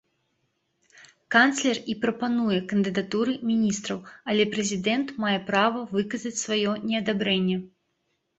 Канцлер і прапануе кандыдатуры міністраў, але прэзідэнт мае права выказаць сваё неадабрэнне.